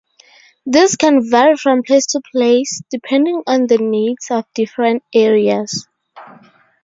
These can vary from place to place depending on the needs of different areas.